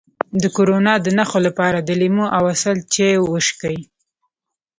د کرونا د نښو لپاره د لیمو او عسل چای وڅښئ